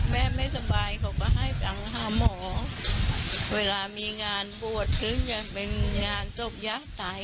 แม่ไม่สบายเขาก็ให้จำทางหาหมอเวลามีงานวัดที่ยังเป็นงานจบย้า่ตาย